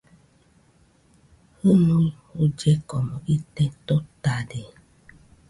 Jɨnui jullekomo ite totade